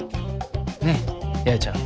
ねっ八重ちゃん。